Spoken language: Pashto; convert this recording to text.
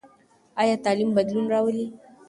ایا تعلیم بدلون راولي؟